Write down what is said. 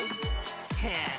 へえ。